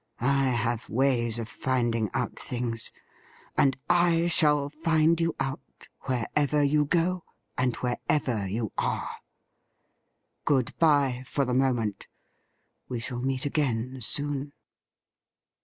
I have ways of finding out things, and I shall find you out wherever you go and wherever you are. Good bye for the moment. We shall meet again soon.'